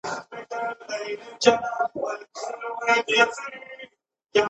اداري واک د موخې خلاف نه شي کارېدلی.